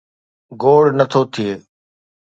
گوڙ نه ٿو ٿئي.